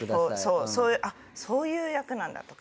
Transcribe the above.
そうあっそういう役なんだとか。